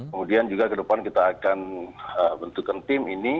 kemudian juga ke depan kita akan bentukan tim ini